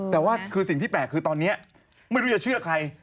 แต่ว่าคือสิ่งที่แปลกคือตอนนี้ไม่รู้จะเชื่อใคร